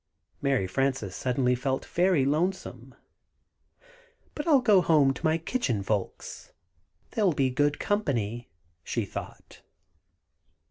Mary Frances suddenly felt very lonesome. "But I'll go home to my Kitchen Folks they'll be good company," she thought.